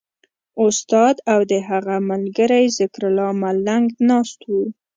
استاد او د هغه ملګری ذکرالله ملنګ ناست وو.